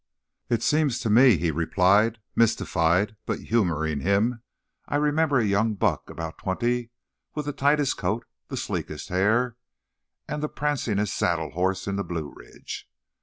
"It seems to me," he replied, mystified, but humouring him, "I remember a young buck about twenty, with the tightest coat, the sleekest hair, and the prancingest saddle horse in the Blue Ridge."